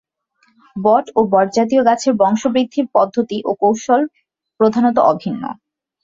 বট ও বট জাতীয় গাছের বংশ বৃদ্ধির পদ্ধতি ও কৌশল প্রধানত অভিন্ন।